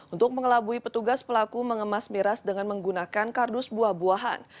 untuk mengelabui petugas pelaku mengemas miras dengan menggunakan kardus buah buahan